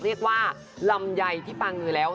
เรียกว่าลำไยที่ปางือแล้ว